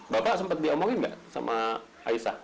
bapak sempet diomongin gak sama aisah